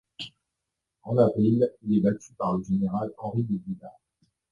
En avril, il est battu par le général Henri de Boulard.